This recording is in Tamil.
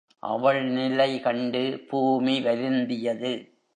அவள்நிலை கண்டு பூமி வருந்தியது.